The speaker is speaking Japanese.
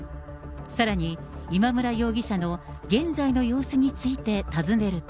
さらに、今村容疑者の現在の様子について尋ねると。